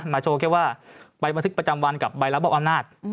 โชว์แค่ว่าใบบันทึกประจำวันกับใบรับออกอำนาจ